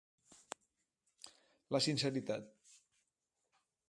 La sinceritat.